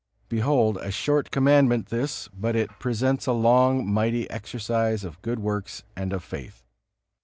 Behold, a short Commandment this, but it presents a long, mighty exercise of good works and of faith.